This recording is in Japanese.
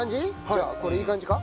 じゃあこれいい感じか？